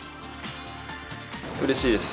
うれしいです。